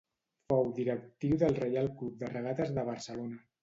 Fou directiu del Reial Club de Regates de Barcelona.